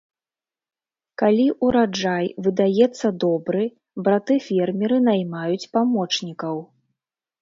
Калі ўраджай выдаецца добры, браты-фермеры наймаюць памочнікаў.